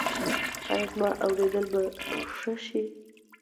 ایا زما اوریدل به ښه شي؟